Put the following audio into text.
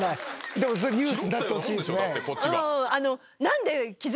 でもそれニュースになってほしいですね。